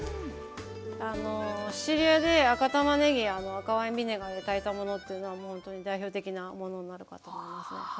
シチリアで赤たまねぎ赤ワインビネガーで炊いたものっていうのはもうほんとに代表的なものになるかと思いますね。